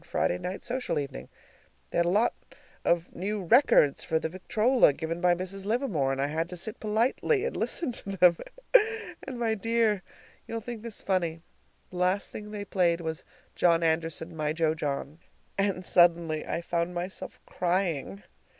Friday night social evening. They had a lot of new records for the victrola, given by Mrs. Livermore, and I had to sit politely and listen to them. And, my dear you'll think this funny the last thing they played was "John Anderson, my jo John," and suddenly I found myself crying!